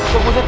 kok gue seh